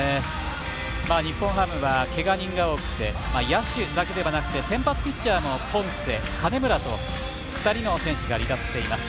日本ハムは、けが人が多くて野手だけではなくて先発ピッチャーもポンセ、金村と２人の選手が離脱しています。